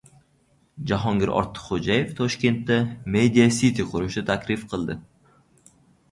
Jahongir Ortiqxo‘jayev Toshkentda «Media Siti» qurishni taklif qildi